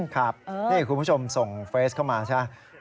ครับนี่คุณผู้ชมส่งเฟสเข้ามาใช่ไหม